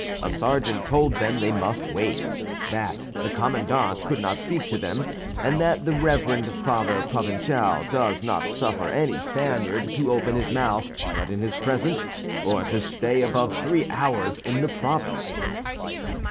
A sergeant told them they must wait, that the Commandant could not speak to them, and that the reverend Father Provincial does not suffer any Spaniard to open his mouth but in his presence, or to stay above three hours in the province.